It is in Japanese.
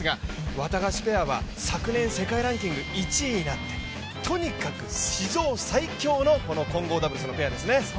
ワタガシペアは昨年、世界ランキング１位になってとにかく史上最強の混合ダブルスのペアですね。